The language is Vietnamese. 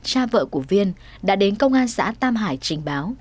cha vợ của viên đã đến công an xã tam hải trình báo